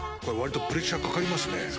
これわりとプレッシャーかかりますね。